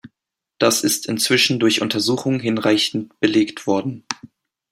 Das ist inzwischen durch Untersuchungen hinreichend belegt worden.